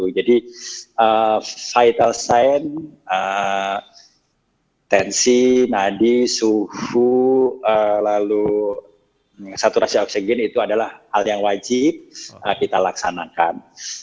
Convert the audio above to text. side al sign tensi nadi suhu lalu saturasi oksigen itu adalah hal yang wajib kita laksanakan